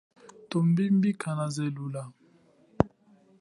Thumbimbi kana zelula.